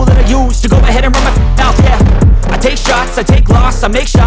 dan aku juga tahu kalau kamu itu kakak ipar aku